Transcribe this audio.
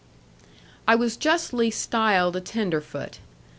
I was justly styled a tenderfoot.